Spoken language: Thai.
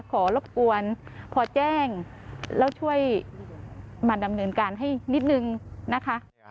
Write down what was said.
ขอรบกวนพอแจ้งแล้วช่วยมาดำเนินการให้นิดนึงนะคะ